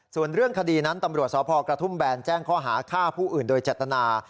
ส่วนเรื่องคดีนั้นตำรวจสพกระทุ่มแบนแจ้งข้อหาฆ่าผู้อื่นโดยเจตนา